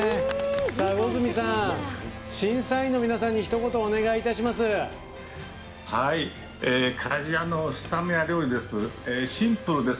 魚住さん審査員の皆さんにひと言お願いいたします。